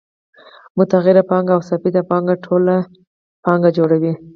متغیره پانګه او ثابته پانګه ټوله پانګه جوړوي